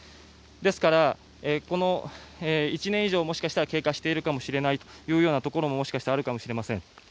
ですから、１年以上経過しているかもしれないというところももしかしたらあるかもしれません。